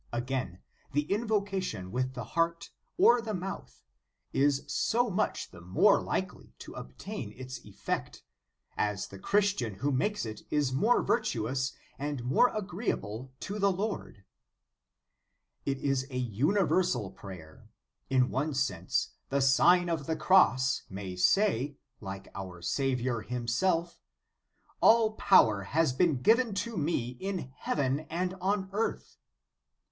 Ao^ain, the invocation with the heart or the o mouth is so much the more likely to obtain its effect, as the Christian who makes it is more virtuous and more agreeable to the Lord/j It is a universal prayer. In one sense the Sign of the Cross may say, like our Saviour Himself: "All power has been given to me in heaven and on earth."